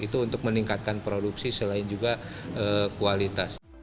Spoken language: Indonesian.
itu untuk meningkatkan produksi selain juga kualitas